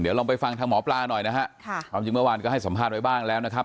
ลองไปฟังทางหมอปลาหน่อยนะฮะค่ะความจริงเมื่อวานก็ให้สัมภาษณ์ไว้บ้างแล้วนะครับ